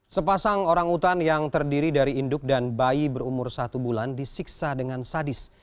sepasang orangutan yang terdiri dari induk dan bayi berumur satu bulan disiksa dengan sadis